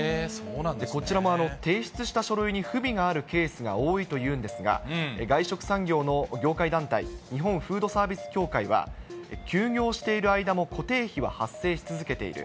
こちらも提出した書類に不備があるケースが多いというんですが、外食産業の業界団体、日本フードサービス協会は、休業している間も固定費は発生し続けている。